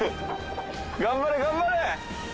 頑張れ頑張れ。